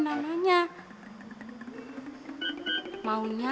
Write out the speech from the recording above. nama yang kita inginkan